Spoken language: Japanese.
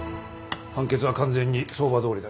判決は完全に相場どおりだけど？